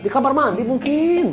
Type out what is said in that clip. di kamar mandi mungkin